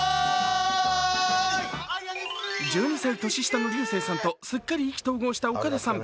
１２歳年下の竜星さんとすっかり意気投合した岡田さん。